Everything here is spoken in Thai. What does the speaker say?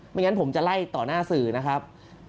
อย่างนั้นผมจะไล่ต่อหน้าสื่อนะครับ